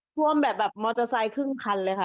ท่วมแบบมอเตอร์ไซค์ครึ่งคันเลยค่ะ